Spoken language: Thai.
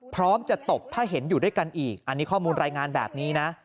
พร้อมจะตบถ้าเห็นอยู่ด้วยกันอีกอันนี้ข้อมูลรายงานแบบนี้นะ